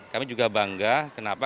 kami juga bangga kenapa